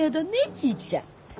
ちぃちゃん？